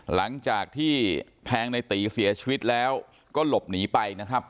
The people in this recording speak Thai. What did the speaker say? หลังจากที่แทงในตีเสียชีวิตแล้วก็หลบหนีไปนะครับ